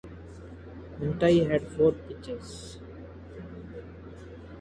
Mantei had four pitches.